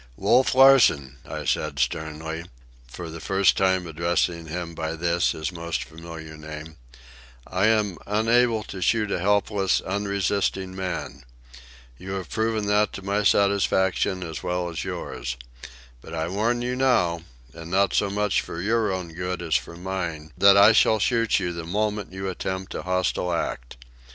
"Wolf Larsen," I said sternly, for the first time addressing him by this his most familiar name, "I am unable to shoot a helpless, unresisting man. You have proved that to my satisfaction as well as yours. But I warn you now, and not so much for your own good as for mine, that I shall shoot you the moment you attempt a hostile act.